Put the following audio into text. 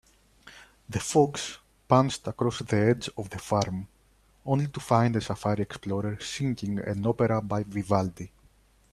The fox pounced across the edge of the farm, only to find a safari explorer singing an opera by Vivaldi.